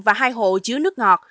và hai hộ chứa nước ngọt